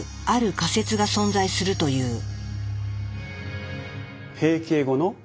ある仮説が存在するという。